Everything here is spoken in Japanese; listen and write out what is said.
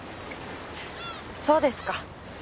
そうですか。